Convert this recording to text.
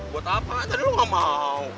buat apa tadi lo gak mau